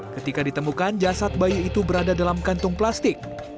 ketika ditemukan jasad bayi itu berada dalam kantung plastik